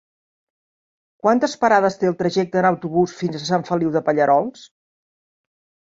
Quantes parades té el trajecte en autobús fins a Sant Feliu de Pallerols?